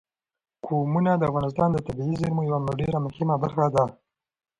قومونه د افغانستان د طبیعي زیرمو یوه ډېره مهمه برخه ده.